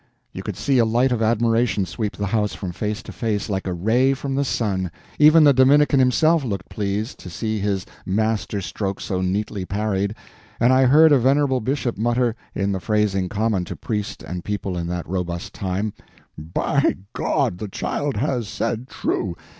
You could see a light of admiration sweep the house from face to face like a ray from the sun. Even the Dominican himself looked pleased, to see his master stroke so neatly parried, and I heard a venerable bishop mutter, in the phrasing common to priest and people in that robust time, "By God, the child has said true.